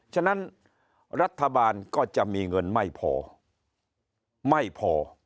ฉะนั้นรัฐบาลก็จะมีเงินไม่พอไม่พอ